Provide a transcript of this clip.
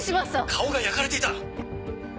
顔が焼かれていた。